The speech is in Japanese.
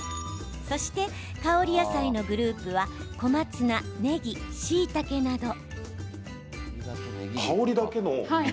そして、香り野菜のグループは小松菜、ねぎ、しいたけなど。